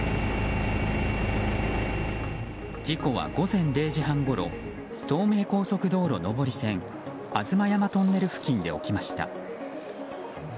事故は午前０時半ごろ東名高速道路上り線吾妻山トンネル付近で起きました。